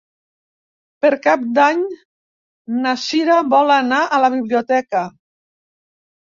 Per Cap d'Any na Cira vol anar a la biblioteca.